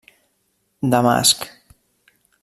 Damasc.